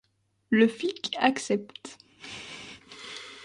Le flic accepte.